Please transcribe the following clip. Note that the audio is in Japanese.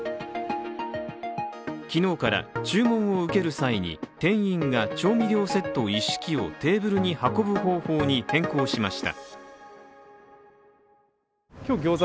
昨日から注文を受ける際に、店員が調味料セット一式をテーブルに運ぶ方向に変更しました。